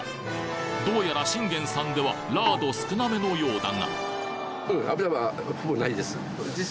どうやら信玄さんではラード少なめのようだが実際。